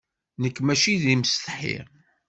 Nekk maci d imsetḥi.